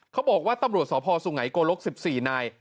เขาบอกว่าตำรวจสพสุไงโกลก๑๔นาย